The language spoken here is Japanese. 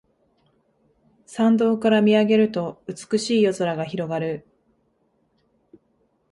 山道から見上げると美しい夜空が広がる